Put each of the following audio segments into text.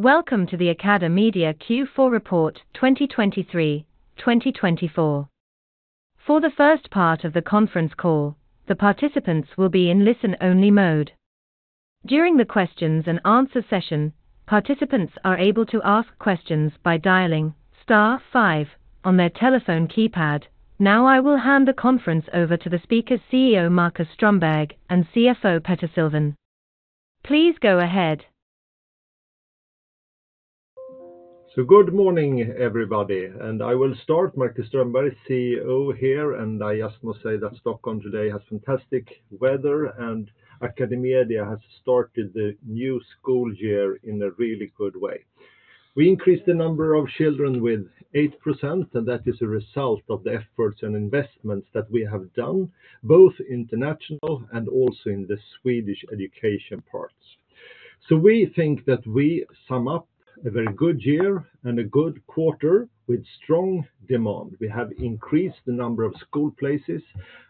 Welcome to the AcadeMedia Q4 Report 2023, 2024. For the first part of the conference call, the participants will be in listen-only mode. During the questions and answer session, participants are able to ask questions by dialing star five on their telephone keypad. Now, I will hand the conference over to the speakers, CEO Marcus Strömberg, and CFO Petter Sylvan. Please go ahead. Good morning, everybody, and I will start. Marcus Strömberg, CEO here, and I just must say that Stockholm today has fantastic weather, and AcadeMedia has started the new school year in a really good way. We increased the number of children with 8%, and that is a result of the efforts and investments that we have done, both international and also in the Swedish education parts. We think that we sum up a very good year and a good quarter with strong demand. We have increased the number of school places,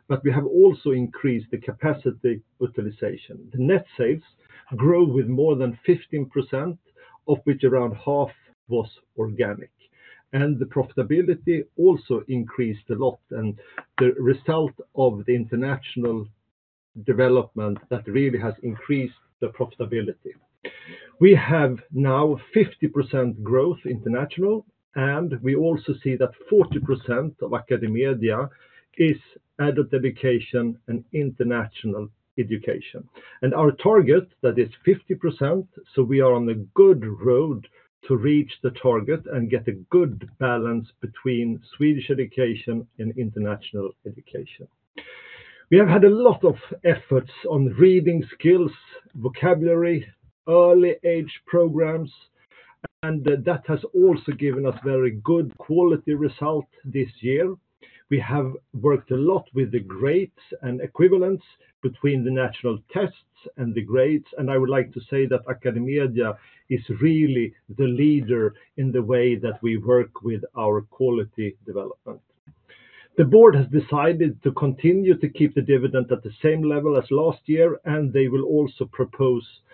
but we have also increased the capacity utilization. The net sales grow with more than 15%, of which around half was organic, and the profitability also increased a lot and the result of the international development that really has increased the profitability. We have now 50% growth international, and we also see that 40% of AcadeMedia is adult education and international education. And our target, that is 50%, so we are on a good road to reach the target and get a good balance between Swedish education and international education. We have had a lot of efforts on reading skills, vocabulary, early age programs, and that has also given us very good quality result this year. We have worked a lot with the grades and equivalence between the national tests and the grades, and I would like to say that AcadeMedia is really the leader in the way that we work with our quality development. The board has decided to continue to keep the dividend at the same level as last year, and they will also propose a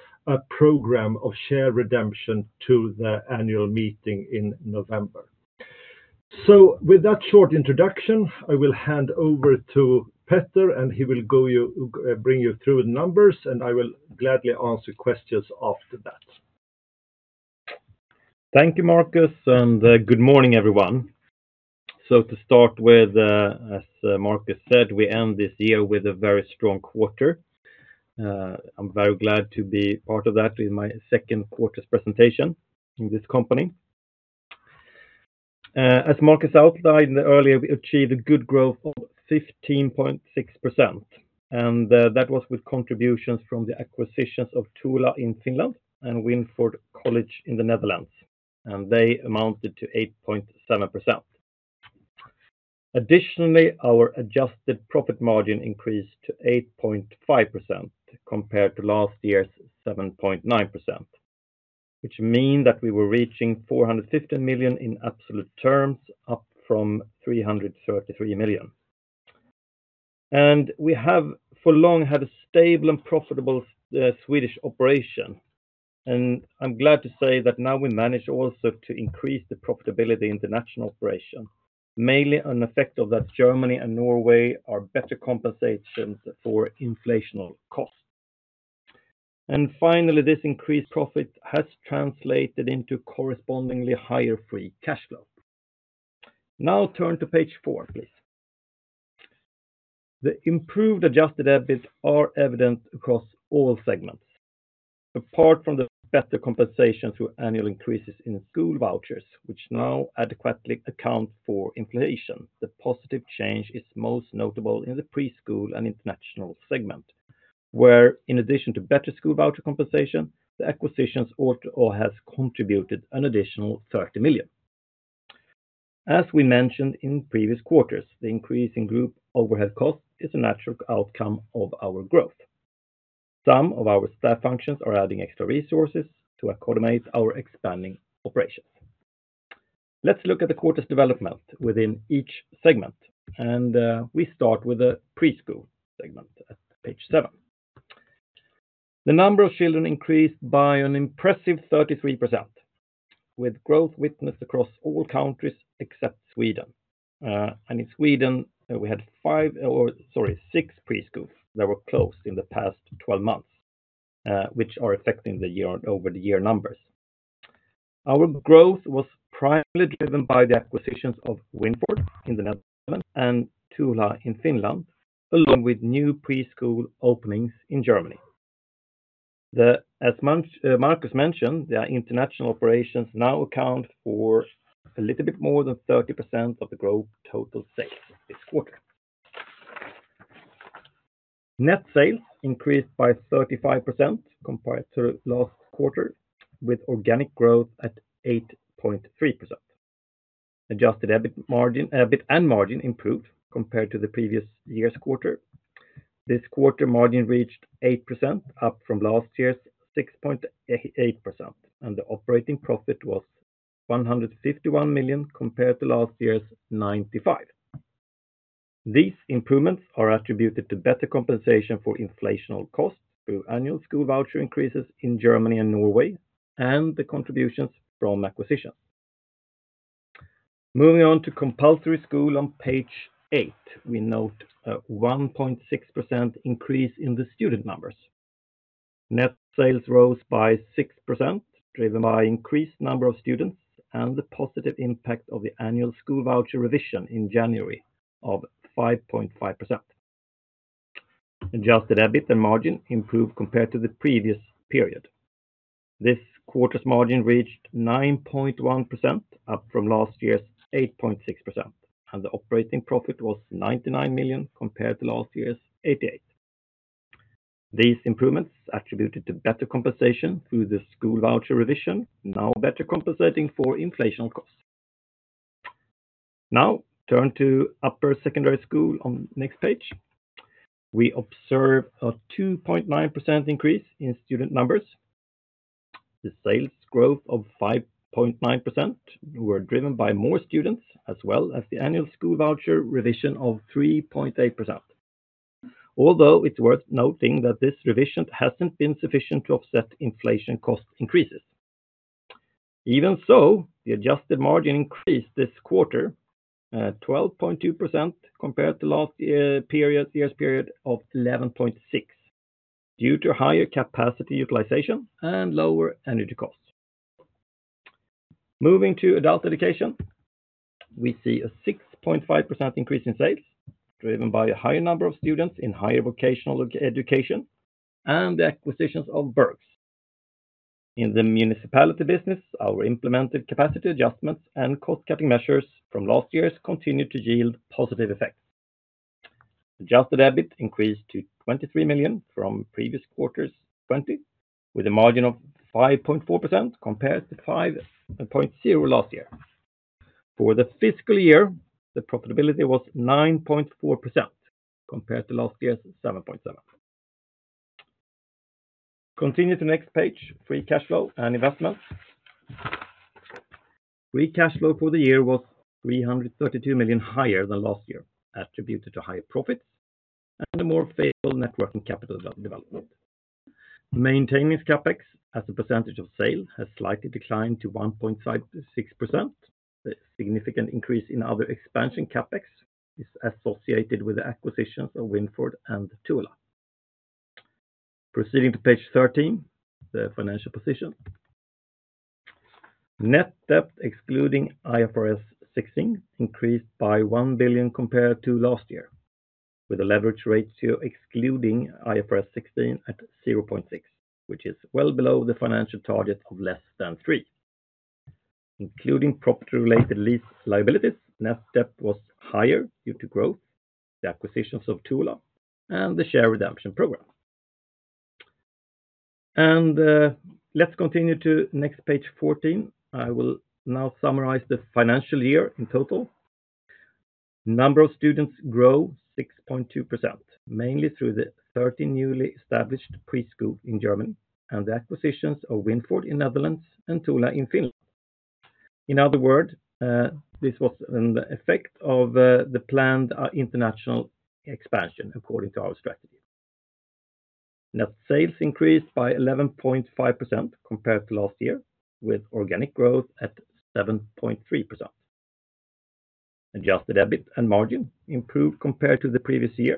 program of share redemption to the annual meeting in November. So with that short introduction, I will hand over to Petter, and he will bring you through the numbers, and I will gladly answer questions after that. Thank you, Marcus, and good morning, everyone. To start with, as Marcus said, we end this year with a very strong quarter. I'm very glad to be part of that in my second quarter's presentation in this company. As Marcus outlined earlier, we achieved a good growth of 15.6%, and that was with contributions from the acquisitions of Touhula in Finland and Winford College in the Netherlands, and they amounted to 8.7%. Additionally, our adjusted profit margin increased to 8.5% compared to last year's 7.9%, which mean that we were reaching 450 million in absolute terms, up from 333 million. We have for long had a stable and profitable Swedish operation, and I'm glad to say that now we manage also to increase the profitability international operation, mainly an effect of that Germany and Norway are better compensations for inflationary costs. Finally, this increased profit has translated into correspondingly higher free cash flow. Now, turn to page four, please. The improved adjusted EBIT are evident across all segments. Apart from the better compensation through annual increases in school vouchers, which now adequately account for inflation, the positive change is most notable in the preschool and international segment, where, in addition to better school voucher compensation, the acquisitions ought or has contributed an additional 30 million. As we mentioned in previous quarters, the increase in group overhead costs is a natural outcome of our growth. Some of our staff functions are adding extra resources to accommodate our expanding operations. Let's look at the quarter's development within each segment, and we start with the preschool segment at page seven. The number of children increased by an impressive 33%, with growth witnessed across all countries except Sweden. And in Sweden, we had five, or, sorry, six preschools that were closed in the past twelve months, which are affecting the year over the year numbers. Our growth was primarily driven by the acquisitions of Winford in the Netherlands and Touhula in Finland, along with new preschool openings in Germany. As Marcus mentioned, the international operations now account for a little bit more than 30% of the group total sales this quarter. Net sales increased by 35% compared to last quarter, with organic growth at 8.3%. Adjusted EBIT margin, EBIT, and margin improved compared to the previous year's quarter. This quarter, margin reached 8%, up from last year's 6.8%, and the operating profit was 151 million compared to last year's 95 million. These improvements are attributed to better compensation for inflation costs through annual school voucher increases in Germany and Norway, and the contributions from acquisitions. Moving on to compulsory school on page eight, we note a 1.6% increase in the student numbers. Net sales rose by 6%, driven by increased number of students and the positive impact of the annual school voucher revision in January of 5.5%. Adjusted EBIT and margin improved compared to the previous period. This quarter's margin reached 9.1%, up from last year's 8.6%, and the operating profit was 99 million compared to last year's 88 million. These improvements attributed to better compensation through the school voucher revision, now better compensating for inflation costs. Now, turn to upper secondary school on next page. We observe a 2.9% increase in student numbers. The sales growth of 5.9% were driven by more students, as well as the annual school voucher revision of 3.8%. Although it's worth noting that this revision hasn't been sufficient to offset inflation cost increases. Even so, the adjusted margin increased this quarter, 12.2% compared to last year's period of 11.6%, due to higher capacity utilization and lower energy costs. Moving to adult education, we see a 6.5% increase in sales, driven by a higher number of students in higher vocational education and the acquisitions of Biks. In the municipality business, our implemented capacity adjustments and cost-cutting measures from last year continued to yield positive effects. Adjusted EBIT increased to 23 million from previous quarters, 20, with a margin of 5.4% compared to 5.0% last year. For the fiscal year, the profitability was 9.4% compared to last year's 7.7%. Continue to next page, free cash flow and investments. Free cash flow for the year was 332 million higher than last year, attributed to higher profits and a more favorable net working capital development. Maintaining CapEx as a percentage of sales has slightly declined to 1.6%. The significant increase in other expansion CapEx is associated with the acquisitions of Winford and Touhula. Proceeding to page 13, the financial position. Net debt, excluding IFRS 16, increased by 1 billion compared to last year, with a leverage ratio excluding IFRS 16 at 0.6, which is well below the financial target of less than 3. Including property-related lease liabilities, net debt was higher due to growth, the acquisitions of Touhula, and the share redemption program. Let's continue to page 14. I will now summarize the financial year in total. Number of students grow 6.2%, mainly through the 30 newly established preschool in Germany and the acquisitions of Winford in the Netherlands and Touhula in Finland. In other words, this was an effect of the planned international expansion according to our strategy. Net sales increased by 11.5% compared to last year, with organic growth at 7.3%. Adjusted EBIT and margin improved compared to the previous year.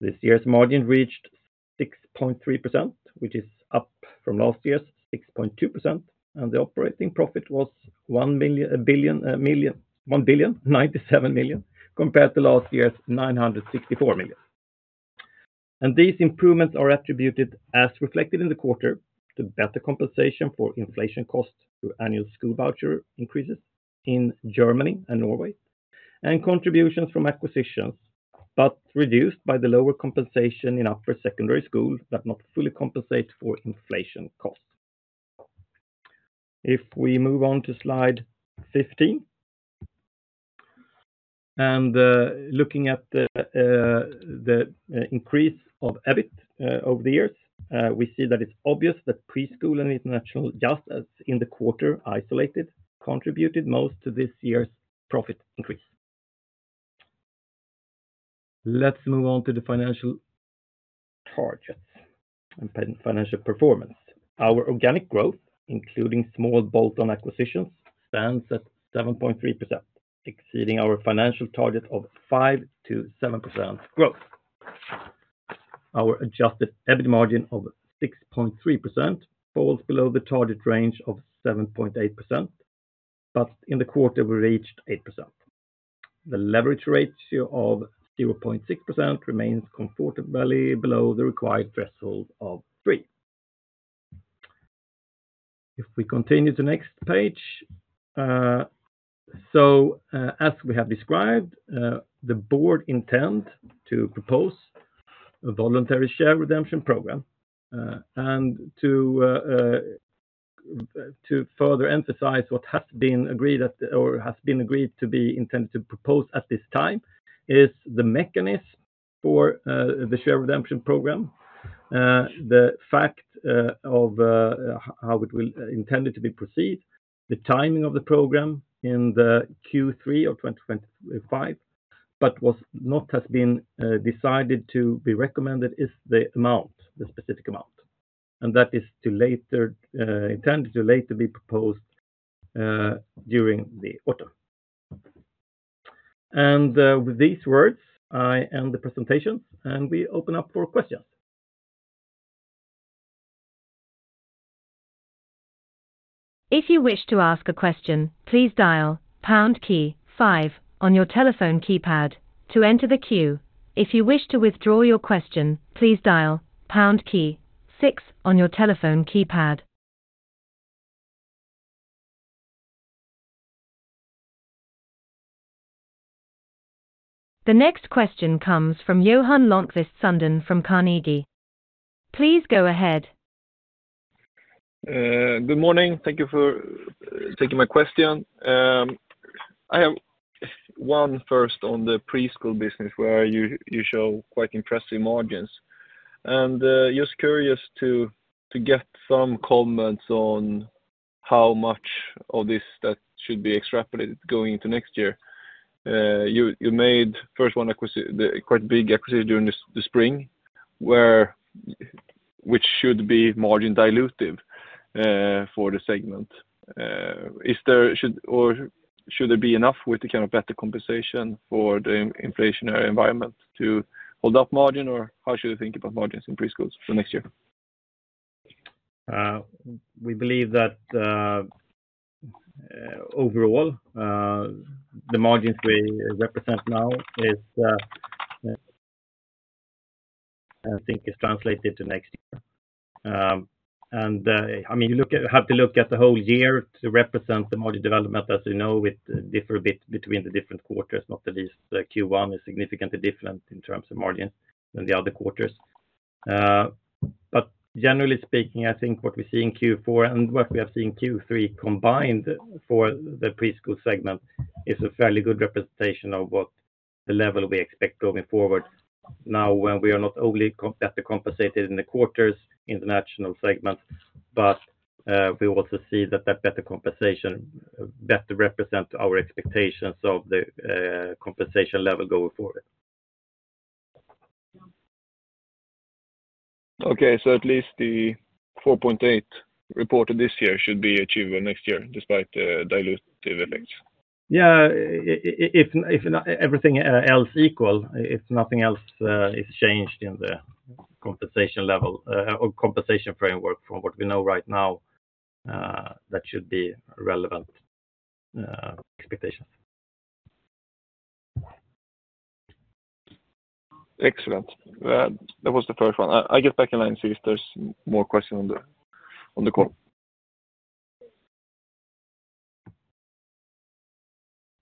This year's margin reached 6.3%, which is up from last year's 6.2%, and the operating profit was 1,097 million compared to last year's 964 million. These improvements are attributed, as reflected in the quarter, to better compensation for inflation costs through annual school voucher increases in Germany and Norway, and contributions from acquisitions, but reduced by the lower compensation in upper secondary schools that not fully compensate for inflation costs. If we move on to slide fifteen, and, looking at the, the increase of EBIT, over the years, we see that it's obvious that preschool and international, just as in the quarter isolated, contributed most to this year's profit increase. Let's move on to the financial targets and financial performance. Our organic growth, including small bolt-on acquisitions, stands at 7.3%, exceeding our financial target of 5-7% growth. Our adjusted EBIT margin of 6.3% falls below the target range of 7.8%, but in the quarter, we reached 8%. The leverage ratio of 0.6% remains comfortably below the required threshold of 3. If we continue to next page. So, as we have described, the board intend to propose a voluntary share redemption program, and to further emphasize what has been agreed at or has been agreed to be intended to propose at this time, is the mechanism for the share redemption program. The fact of how it will intended to be proceed, the timing of the program in the Q3 of 2025, but was not has been decided to be recommended is the amount, the specific amount. And with these words, I end the presentation, and we open up for questions. If you wish to ask a question, please dial pound key five on your telephone keypad to enter the queue. If you wish to withdraw your question, please dial pound key six on your telephone keypad. The next question comes from Johan Sundén from Carnegie. Please go ahead. Good morning. Thank you for taking my question. I have one first on the preschool business where you show quite impressive margins, and just curious to get some comments on how much of this that should be extrapolated going into next year. You made one acquisition, the quite big acquisition during the spring, which should be margin dilutive for the segment. Is there should or should there be enough with the kind of better compensation for the inflationary environment to hold up margin? Or how should we think about margins in preschools for next year? We believe that overall the margins we represent now is, I think, is translated to next year. And I mean, you have to look at the whole year to represent the margin development. As you know, it differ a bit between the different quarters. Not the least, the Q1 is significantly different in terms of margins than the other quarters, but generally speaking, I think what we see in Q4 and what we have seen Q3 combined for the preschool segment is a fairly good representation of what the level we expect going forward. Now, when we are not only better compensated in the quarters, international segments, but we also see that that better compensation better represent our expectations of the compensation level going forward. Okay, so at least the four point eight reported this year should be achievable next year, despite the dilutive effects? Yeah, if everything else equal, if nothing else is changed in the compensation level or compensation framework from what we know right now, that should be relevant expectations. Excellent. Well, that was the first one. I, I'll get back in line and see if there's more questions on the call.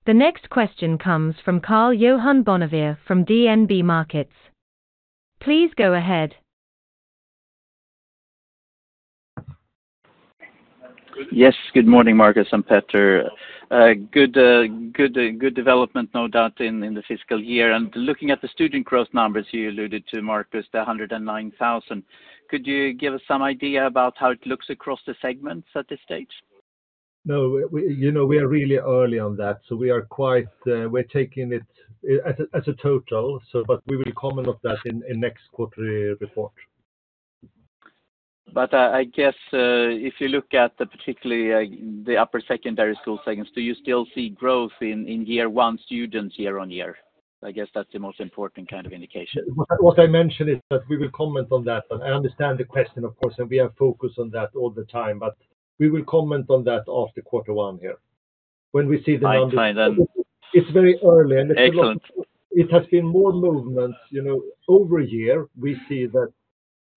The next question comes from Carl-Johan Bonnevier from DNB Markets. Please go ahead. Yes, good morning, Marcus and Petter. Good development, no doubt, in the fiscal year. Looking at the student growth numbers you alluded to, Marcus, the 109,000. Could you give us some idea about how it looks across the segments at this stage? No, we, you know, we are really early on that, so we are quite. We're taking it as a total, so, but we will comment on that in next quarterly report. But, I guess, if you look at the, particularly, the upper secondary school segments, do you still see growth in year one students year on year? I guess that's the most important kind of indication. What, what I mentioned is that we will comment on that, but I understand the question, of course, and we are focused on that all the time. But we will comment on that after quarter one here. When we see the numbers. I find that- It's very early and- Excellent. There has been more movement. You know, over a year, we see that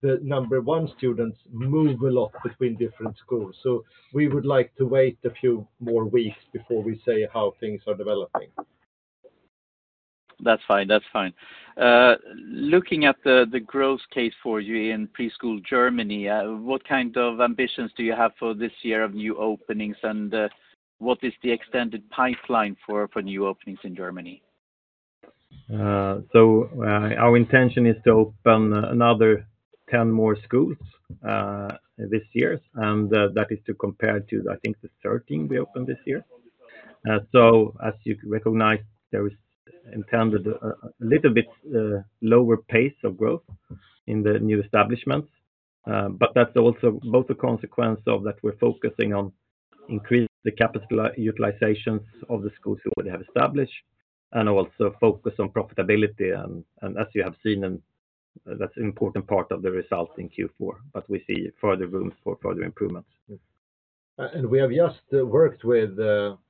the number of students move a lot between different schools. So we would like to wait a few more weeks before we say how things are developing. That's fine, that's fine. Looking at the growth case for you in preschool Germany, what kind of ambitions do you have for this year of new openings, and what is the extended pipeline for new openings in Germany? So, our intention is to open another 10 more schools this year, and that is to compare to, I think, the 13 we opened this year. So as you can recognize, there is intended a little bit lower pace of growth in the new establishments, but that's also both a consequence of that we're focusing on increasing the capital utilizations of the schools we already have established, and also focus on profitability. And as you have seen, and that's an important part of the results in Q4, but we see further room for further improvements. And we have just worked with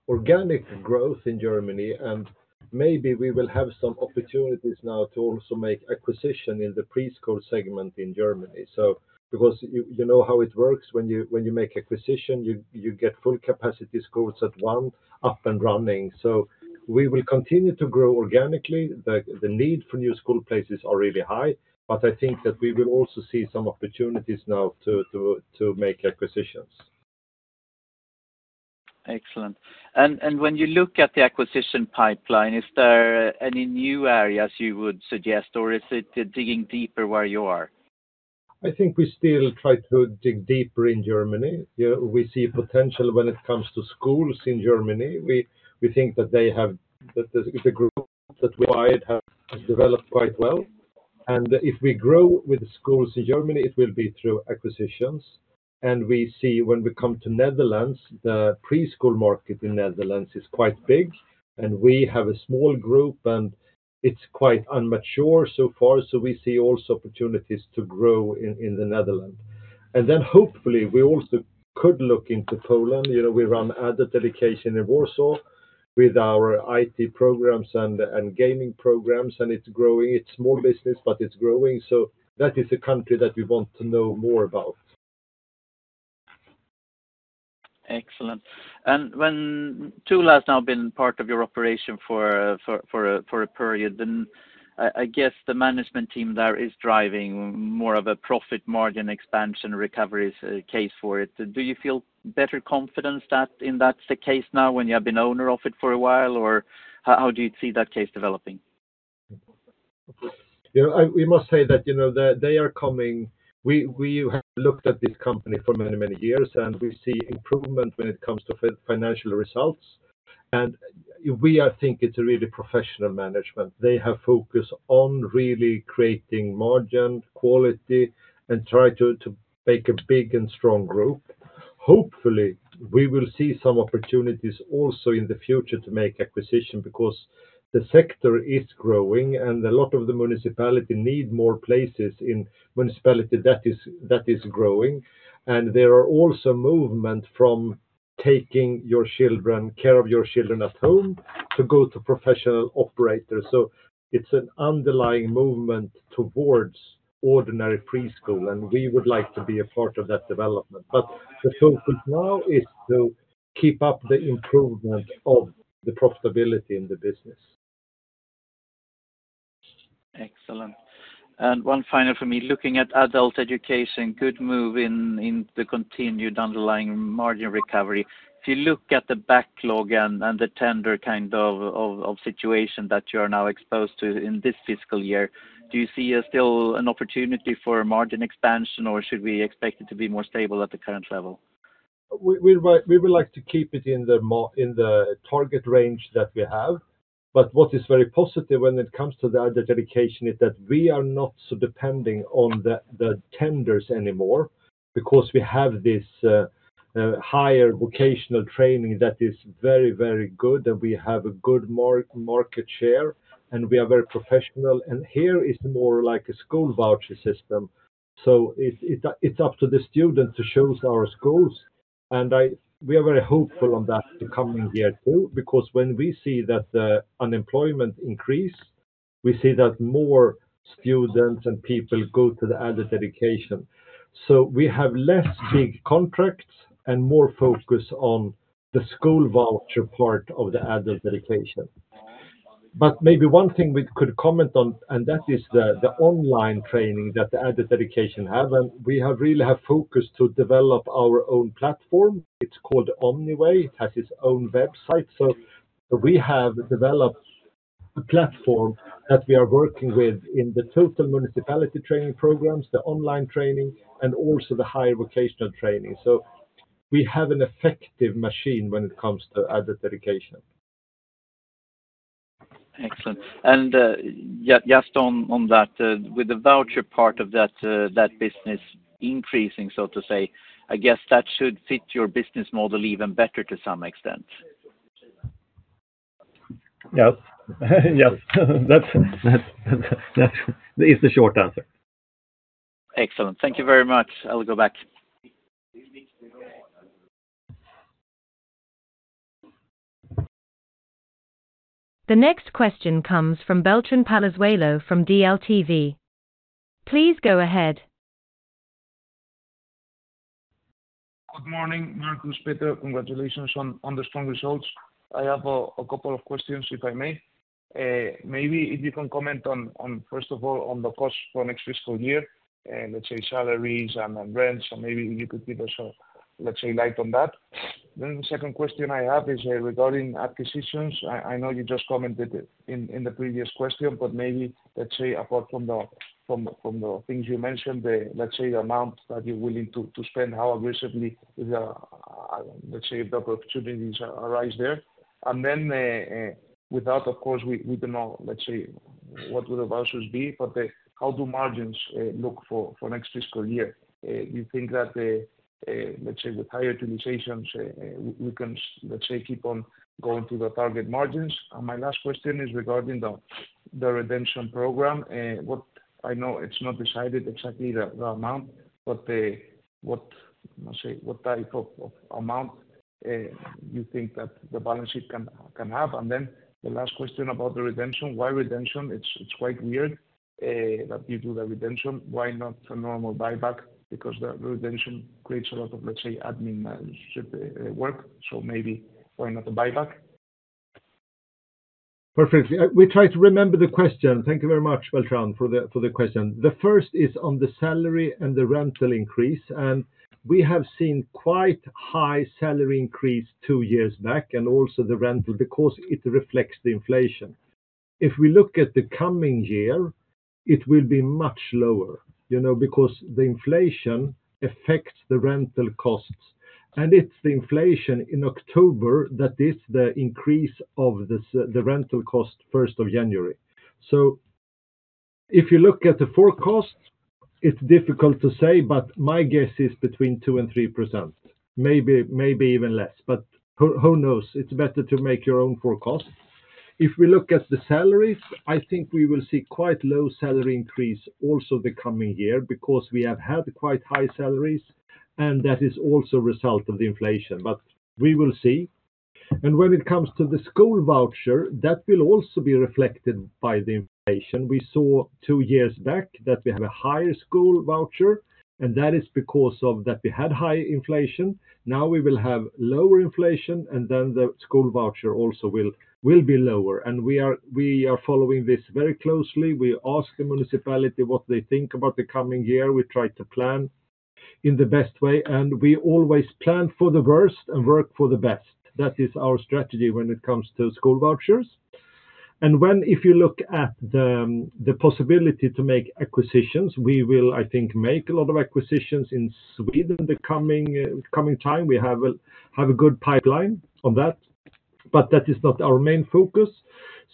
organic growth in Germany, and maybe we will have some opportunities now to also make acquisition in the preschool segment in Germany. So, because you know how it works, when you make acquisition, you get full capacity schools at once, up and running. So we will continue to grow organically. The need for new school places are really high, but I think that we will also see some opportunities now to make acquisitions. ... Excellent. And when you look at the acquisition pipeline, is there any new areas you would suggest, or is it digging deeper where you are? I think we still try to dig deeper in Germany. Yeah, we see potential when it comes to schools in Germany. We think that they have, that there's, it's a group that we've developed quite well. And if we grow with the schools in Germany, it will be through acquisitions. And we see when we come to Netherlands, the preschool market in Netherlands is quite big, and we have a small group, and it's quite immature so far. So we see also opportunities to grow in the Netherlands. And then hopefully, we also could look into Poland. You know, we run adult education in Warsaw with our IT programs and gaming programs, and it's growing. It's small business, but it's growing. So that is a country that we want to know more about. Excellent. When Touhula has now been part of your operation for a period, then I guess the management team there is driving more of a profit margin expansion recoveries case for it. Do you feel better confidence that in that's the case now when you have been owner of it for a while? Or how do you see that case developing? You know, we must say that, you know, they are coming. We have looked at this company for many years, and we see improvement when it comes to financial results. We think it's a really professional management. They have focused on really creating margin, quality, and try to make a big and strong group. Hopefully, we will see some opportunities also in the future to make acquisition, because the sector is growing and a lot of the municipality need more places in municipality that is growing. There are also movement from taking your children, care of your children at home to go to professional operators. So it's an underlying movement towards ordinary preschool, and we would like to be a part of that development. But the focus now is to keep up the improvement of the profitability in the business. Excellent. And one final for me, looking at adult education, good move in the continued underlying margin recovery. If you look at the backlog and the tender kind of situation that you are now exposed to in this fiscal year, do you see still an opportunity for margin expansion, or should we expect it to be more stable at the current level? We would like to keep it in the margin in the target range that we have, but what is very positive when it comes to the adult education is that we are not so depending on the tenders anymore because we have this higher vocational training that is very, very good, and we have a good market share, and we are very professional, and here is more like a school voucher system, so it's up to the students to choose our schools, and we are very hopeful on that coming here, too, because when we see that the unemployment increase, we see that more students and people go to the adult education, so we have less big contracts and more focus on the school voucher part of the adult education. But maybe one thing we could comment on, and that is the online training that the adult education have, and we have really focused to develop our own platform. It's called Omniway. It has its own website. So we have developed a platform that we are working with in the total municipality training programs, the online training, and also the higher vocational training. So we have an effective machine when it comes to adult education. Excellent. And, just on that, with the voucher part of that, that business increasing, so to say, I guess that should fit your business model even better to some extent? Yeah. Yes, that's, that is the short answer. Excellent. Thank you very much. I'll go back. The next question comes from Beltrán Palazuelo from DLTV. Please go ahead. Good morning, Marcus, Petter. Congratulations on the strong results. I have a couple of questions, if I may. Maybe if you can comment on, first of all, on the cost for next fiscal year, let's say, salaries and rents, so maybe you could give us a, let's say, light on that. Then the second question I have is, regarding acquisitions. I know you just commented it in the previous question, but maybe, let's say, apart from the things you mentioned, the, let's say, the amount that you're willing to spend, how aggressively is the, let's say, if the opportunities arise there. And then, without, of course, we don't know, let's say, what would the vouchers be, but, how do margins look for next fiscal year? You think that the, let's say, with high utilizations, we can, let's say, keep on going to the target margins. And my last question is regarding the redemption program. What I know it's not decided exactly the amount, but the, what, let's say, what type of amount, you think that the balance sheet can have? And then the last question about the redemption, why redemption? It's quite weird that you do the redemption. Why not a normal buyback? Because the redemption creates a lot of, let's say, admin work, so maybe why not a buyback?... Perfectly. We try to remember the question. Thank you very much, Beltrán, for the question. The first is on the salary and the rental increase, and we have seen quite high salary increase two years back, and also the rental, because it reflects the inflation. If we look at the coming year, it will be much lower, you know, because the inflation affects the rental costs, and it's the inflation in October that is the increase of the rental cost first of January. So if you look at the forecast, it's difficult to say, but my guess is between 2% and 3%, maybe, maybe even less. But who knows? It's better to make your own forecast. If we look at the salaries, I think we will see quite low salary increase also the coming year because we have had quite high salaries, and that is also a result of the inflation, but we will see, and when it comes to the school voucher, that will also be reflected by the inflation. We saw two years back that we have a higher school voucher, and that is because of that, we had high inflation. Now we will have lower inflation, and then the school voucher also will be lower, and we are following this very closely. We ask the municipality what they think about the coming year. We try to plan in the best way, and we always plan for the worst and work for the best. That is our strategy when it comes to school vouchers. If you look at the possibility to make acquisitions, we will, I think, make a lot of acquisitions in Sweden in the coming time. We have a good pipeline on that, but that is not our main focus,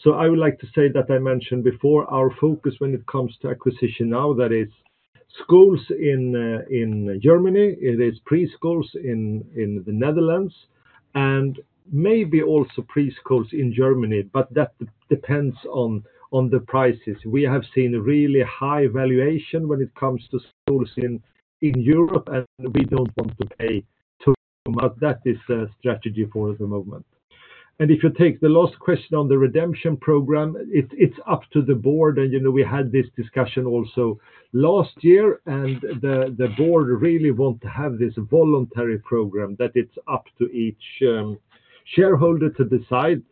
so I would like to say that I mentioned before, our focus when it comes to acquisition now, that is schools in Germany, it is preschools in the Netherlands, and maybe also preschools in Germany, but that depends on the prices. We have seen really high valuation when it comes to schools in Europe, and we don't want to pay too much. That is a strategy for us at the moment, and if you take the last question on the redemption program, it's up to the board. You know, we had this discussion also last year, and the board really want to have this voluntary program, that it's up to each shareholder to decide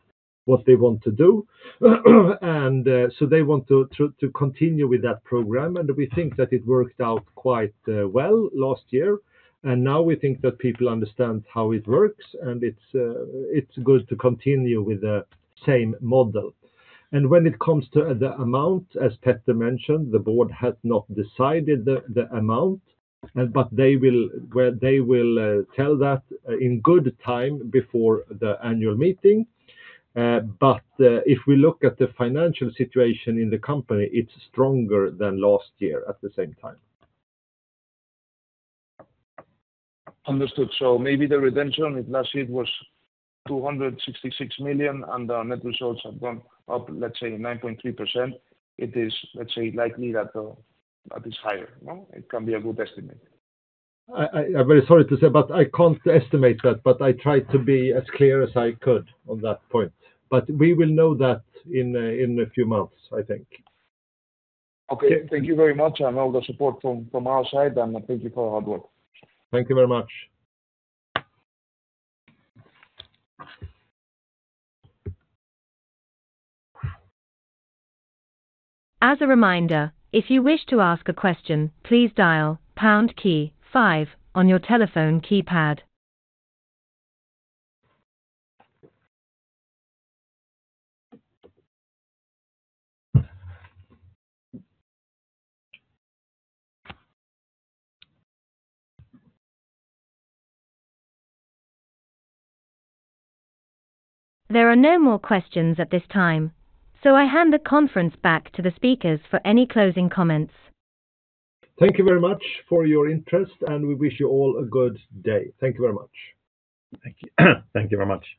what they want to do. So they want to continue with that program. And we think that it worked out quite well last year, and now we think that people understand how it works, and it's good to continue with the same model. And when it comes to the amount, as Petter mentioned, the board has not decided the amount, but they will tell that in good time before the annual meeting. But if we look at the financial situation in the company, it's stronger than last year at the same time. Understood. So maybe the redemption, if last year it was 266 million, and the net results have gone up, let's say, 9.3%, it is, let's say, likely that the... That is higher, no? It can be a good estimate. I'm very sorry to say, but I can't estimate that, but I tried to be as clear as I could on that point. But we will know that in a few months, I think. Okay. Thank you very much, and all the support from our side, and thank you for your hard work. Thank you very much. As a reminder, if you wish to ask a question, please dial pound key five on your telephone keypad. There are no more questions at this time, so I hand the conference back to the speakers for any closing comments. Thank you very much for your interest, and we wish you all a good day. Thank you very much. Thank you. Thank you very much.